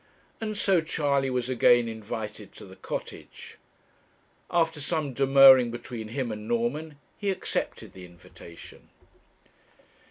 And so Charley was again invited to the cottage. After some demurring between him and Norman, he accepted the invitation.